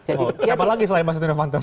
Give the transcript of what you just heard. siapa lagi selain pak setia novanto